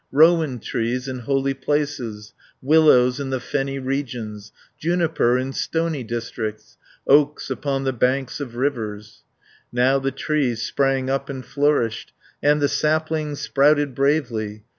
Rowan trees in holy places, Willows in the fenny regions, 30 Juniper in stony districts, Oaks upon the banks of rivers. Now the trees sprang up and flourished, And the saplings sprouted bravely.